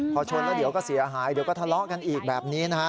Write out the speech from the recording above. พอชนแล้วเดี๋ยวก็เสียหายเดี๋ยวก็ทะเลาะกันอีกแบบนี้นะฮะ